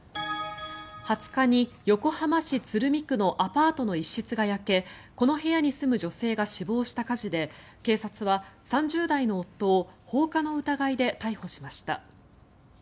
２０日に横浜市鶴見区のアパートの一室が焼けこの部屋に住む女性が死亡した火事で警察は３０代の夫を放火の疑いで逮捕しました。